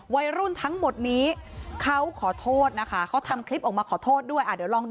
วัยรุ่นทั้งหมดนี้เขาขอโทษนะคะเขาทำคลิปออกมาขอโทษด้วย